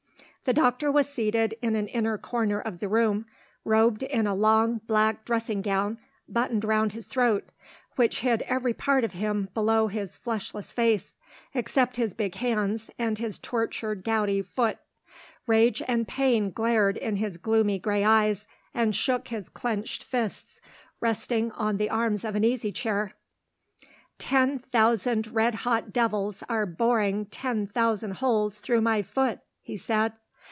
The doctor was seated in an inner corner of the room; robed in a long black dressing gown, buttoned round his throat, which hid every part of him below his fleshless face, except his big hands, and his tortured gouty foot. Rage and pain glared in his gloomy gray eyes, and shook his clenched fists, resting on the arms of an easy chair. "Ten thousand red hot devils are boring ten thousand holes through my foot," he said.